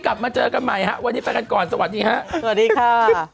กลับมาเจอกันใหม่ฮะวันนี้ไปกันก่อนสวัสดีฮะสวัสดีค่ะ